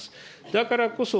だからこそ、